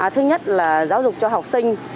thứ nhất là giáo dục cho học sinh